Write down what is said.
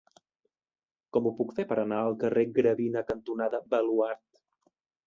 Com ho puc fer per anar al carrer Gravina cantonada Baluard?